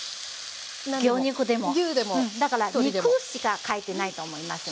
だから「肉」しか書いてないと思いますので。